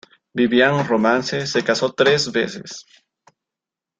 Viviane Romance se casó tres veces.